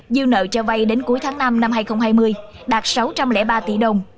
dư nợ cho vay đến cuối tháng năm năm hai nghìn hai mươi đạt sáu trăm linh ba tỷ đồng